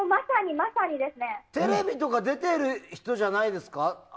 テレビとかに出ている人じゃないですか？